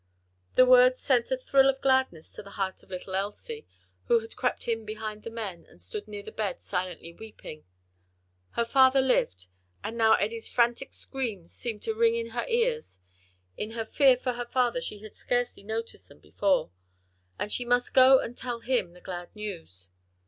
The words sent a thrill of gladness to the heart of little Elsie, who had crept in behind the men, and stood near the bed silently weeping; her father lived; and now Eddie's frantic screams seemed to ring in her ears (in her fear for her father she had scarcely noticed them before) and she must go and tell him the glad news.